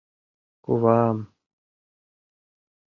Кувам...